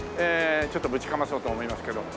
ちょっとぶちかまそうと思いますけども。